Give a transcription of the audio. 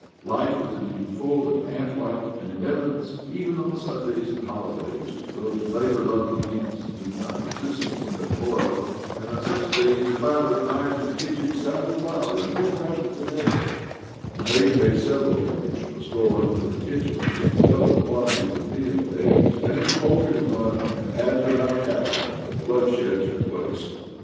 Life was indeed full and antlike and in evidence ! Even on Sundays and holidays these labour loving ants did not desist froto their toil, for on such days the clatter of knives in the kitchen sounded louder and more rapid than ever, a maid made several journeys from the storeroom to the kitchen with double quantities of meal and eggs, and in the poultry run an added amount of cackling and of bloodshed took place.